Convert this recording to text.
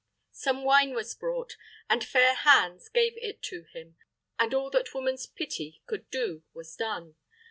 Some wine was brought, and fair hands gave it to him, and all that woman's pity could do was done.